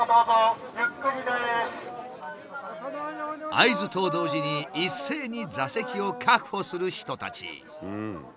合図と同時に一斉に座席を確保する人たち。